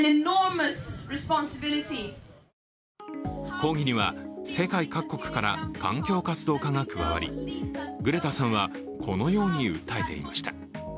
抗議には世界各国から環境活動家が加わり、グレタさんはこのように訴えていました。